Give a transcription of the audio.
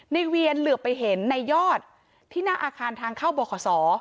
เวียนเหลือไปเห็นในยอดที่หน้าอาคารทางเข้าบข